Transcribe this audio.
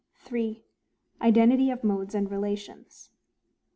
3. Identity of modes and relations.